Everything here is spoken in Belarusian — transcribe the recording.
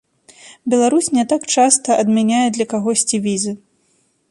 Беларусь не так часта адмяняе для кагосьці візы.